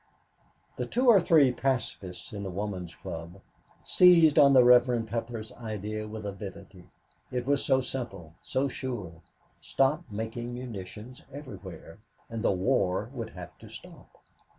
The two or three pacifists in the Woman's Club seized on the Reverend Pepper's idea with avidity. It was so simple, so sure stop making munitions everywhere, and war would have to stop.